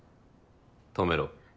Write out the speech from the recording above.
止めろ。